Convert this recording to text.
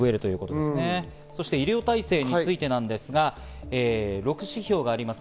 そして医療体制についてですが、６指標があります。